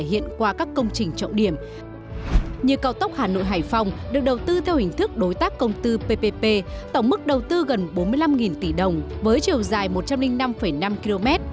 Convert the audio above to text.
như cao tốc hà nội hải phòng được đầu tư theo hình thức đối tác công tư ppp tổng mức đầu tư gần bốn mươi năm tỷ đồng với chiều dài một trăm linh năm năm km